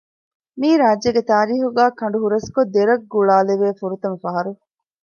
މިއީ ރާއްޖޭގެ ތާރީޚުގައި ކަނޑު ހުރަސްކޮށް ދެރަށް ގުޅާލެވޭ ފުރަތަމަ ފަހަރު